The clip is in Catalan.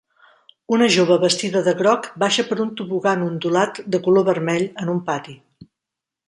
Una jove vestida de groc baixa per un tobogan ondulat de color vermell en un pati.